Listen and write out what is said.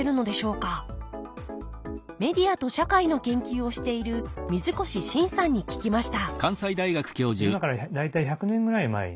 メディアと社会の研究をしている水越伸さんに聞きました